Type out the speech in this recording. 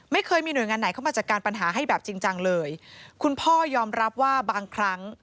ไม่เคยมีหน่วยงานไหนเข้ามาจัดการปัญหาให้แบบจริงจังเลยคุณพ่อยอมรับว่าบางครั้ง